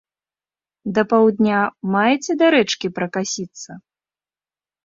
Да паўдня маеце да рэчкі пракасіцца?